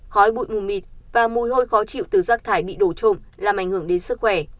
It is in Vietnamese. khói bụi mù mịt và mùi hôi khó chịu từ rác thải bị đổ trộm làm ảnh hưởng đến sức khỏe